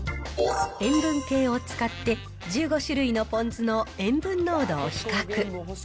塩分計を使って、１５種類のポン酢の塩分濃度を比較。